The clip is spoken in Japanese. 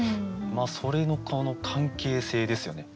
それのこの関係性ですよね。